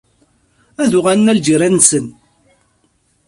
Ad uɣalen ɣer lɣiran-nsen.